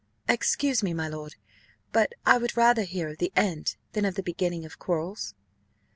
"Excuse me, my lord, but I would rather hear of the end than of the beginning of quarrels."